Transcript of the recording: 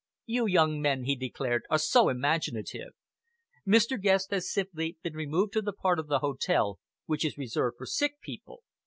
"You young men," he declared, "are so imaginative. Mr. Guest has simply been removed to the part of the hotel which is reserved for sick people.